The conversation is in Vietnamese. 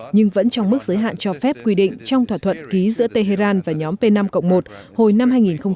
nhưng vẫn trong mức giới hạn cho phép quy định trong thỏa thuận ký giữa tehran và nhóm p năm một hồi năm hai nghìn một mươi